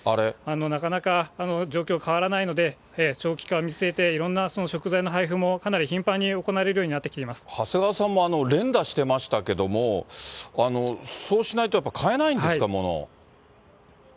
なかなか状況変わらないので、長期化を見据えて、いろんな食材の配布もかなり頻繁に行われるようになってきていま長谷川さんも連打してましたけども、そうしないとやっぱ変えないんですか？